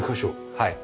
はい。